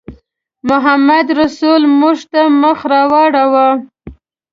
محمدرسول موږ ته مخ راواړاوه.